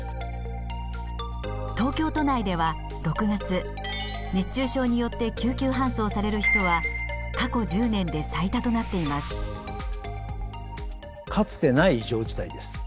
東京都内では６月熱中症によって救急搬送される人は過去１０年で最多となっています。